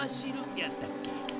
やったっけ？